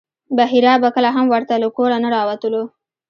بحیرا به کله هم ورته له کوره نه راوتلو.